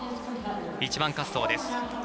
１番滑走です。